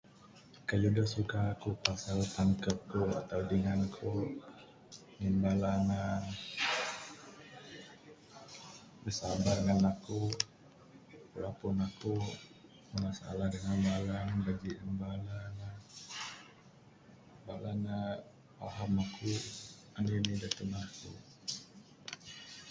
Keyuh dak suka ku pasal tangkeb ku atau dingan ku ngin bala ne besabar dengan ku walaupun aku bemasalah dengan bala ne bejik dengan bala ne.. Pak ne paham aku, anih anih dak tundah aku.